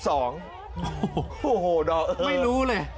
โอ้โหไม่รู้เลย